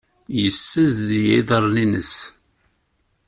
Yessazdeg iḍarren-nnes.